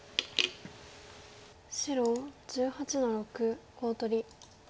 白１８の六コウ取り。